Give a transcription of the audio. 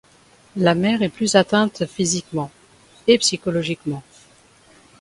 La mère est plus atteinte physiquement, et psychologiquement.